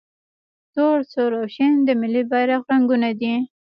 تور، سور او شین د ملي بیرغ رنګونه دي.